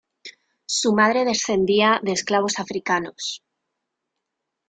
Su madre descendía de esclavos africanos.